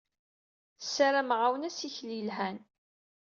Ssarameɣ-awen assikel yelhan.